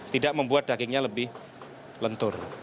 tidak membuat dagingnya lebih lentur